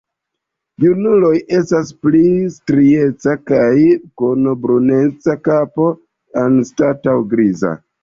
Junuloj estas pli striecaj kaj kun bruneca kapo anstataŭ griza.